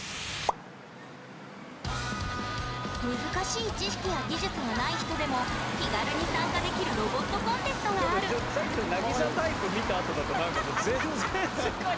難しい知識や技術がない人でも気軽に参加できるロボットコンテストがあるさっきのなぎさタイプ見たあとだと何かこう全然世界観違う。